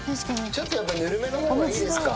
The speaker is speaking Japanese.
ちょっとやっぱぬるめのほうがいいですか。